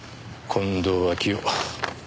近藤秋夫